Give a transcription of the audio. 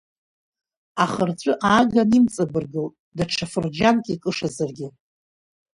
Ахырҵәы ааганы имҵабыргылт, даҽа фырџьанк икышазаргьы…